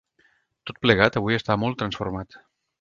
Tot plegat, avui està molt transformat.